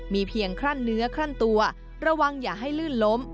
มีเพียงคลั่นเนื้อคลั่นตัวระวังอย่าให้ลื่นล้ม